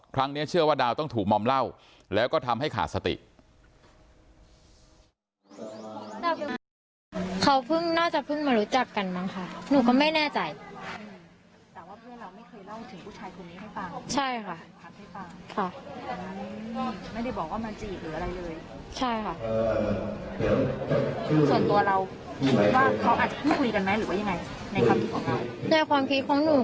ครั้งนี้เชื่อว่าดาวต้องถูมอมเล่าแล้วก็ทำให้ขาดสติ